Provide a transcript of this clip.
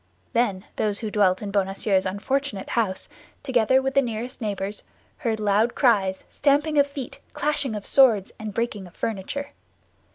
Then those who dwelt in Bonacieux's unfortunate house, together with the nearest neighbors, heard loud cries, stamping of feet, clashing of swords, and breaking of furniture.